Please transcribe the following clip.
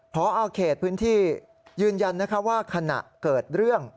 พอเขตพื้นที่ยืนยันว่าขณะเกิดเรื่อง